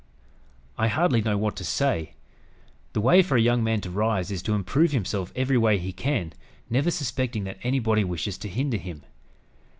I hardly know what to say. The way for a young man to rise is to improve himself every way he can, never suspecting that anybody wishes to hinder him.